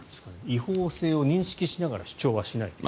違法性を認識しながら主張はしないという。